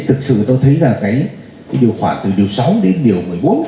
thực sự tôi thấy là cái điều khoản từ điều sáu đến điều một mươi bốn